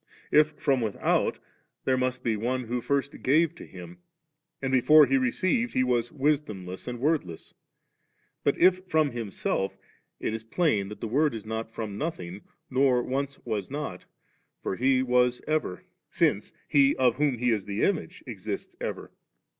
If from without, there must be one who first gave to Him, and before He received He was wis dom less and word less. But if from Himself it is plain that the Word is not from nothing, nor once was not ;. for He was ever ; since He of whom He is the Image, exists ever.